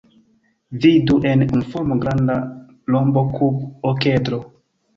Vidu en unuforma granda rombokub-okedro.